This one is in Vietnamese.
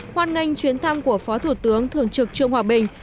hoan nghênh chuyến thăm của phó thủ tướng thường trực trương hòa bình